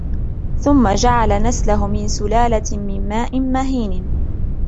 ثم جعل نسله من سلالة من ماء مهين